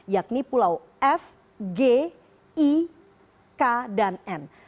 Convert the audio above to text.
yakni pulau f g i k dan n